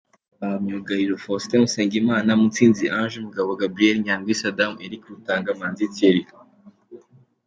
Ba myugariro: Faustin Usengimana, Mutsinzi Ange, Mugabo Gabriel, Nyandwi Saddam, Eric Rutanga, Manzi Thierry.